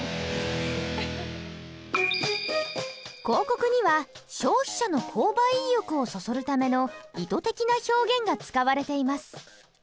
広告には消費者の購買意欲をそそるための意図的な表現が使われています。